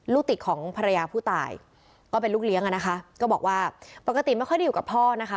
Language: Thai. ลูกติดของภรรยาผู้ตายก็เป็นลูกเลี้ยงอ่ะนะคะก็บอกว่าปกติไม่ค่อยได้อยู่กับพ่อนะคะ